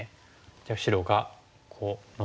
じゃあ白がこうノビると。